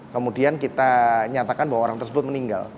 kemudian kita nyatakan bahwa orang tersebut meninggal